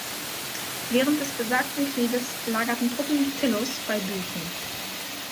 Während des besagten Krieges lagerten Truppen Tillys bei Büchen.